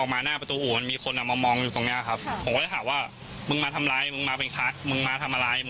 เขามีการอ้างว่ามีการโพสต์